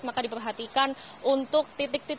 maka diperhatikan untuk titik titik kemarin ini